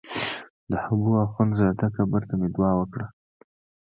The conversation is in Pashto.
د حبو اخند زاده قبر ته مې دعا وکړه.